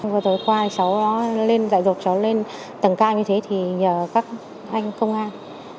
vừa rồi khoa cháu lên dạy dột cháu lên tầng ca như thế thì nhờ các anh công an